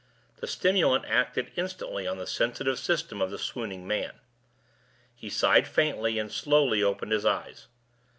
The stimulant acted instantly on the sensitive system of the swooning man. He sighed faintly, and slowly opened his eyes.